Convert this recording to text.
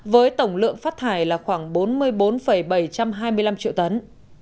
với tổng lượng phát thải là khoảng bốn mươi bốn bảy trăm hai mươi năm triệu tấn